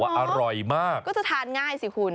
ก็จะทานง่ายสิคุณ